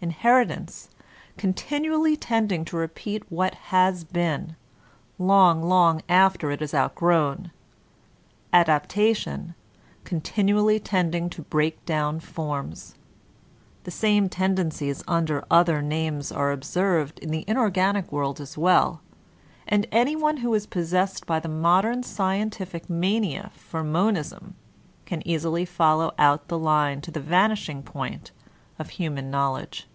Inheritance, con tinually tending to repeat what has been, long, long after it i<; outgrown; adaptation continually tending to break down forms. The same tendencies under other names are observed in the inorganic world as well, and anyone who is posses<;ed by the modem scientific mania for Anarchism 97 Monism can easily follow oat the line to the vanishing point of human knowledge.